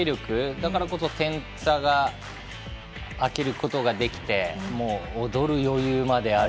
だからこそ点差が開けることができて踊る余裕まである。